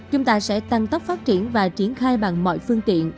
chúng ta sẽ tăng tốc phát triển và triển khai bằng mọi phương tiện